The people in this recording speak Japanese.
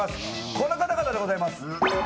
この方々でございます。